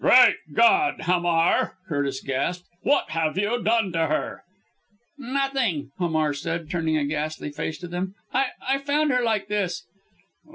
"Great God! Hamar!" Curtis gasped. "What have you done to her?" "Nothing!" Hamar said, turning a ghastly face to them. "I I found her like this!"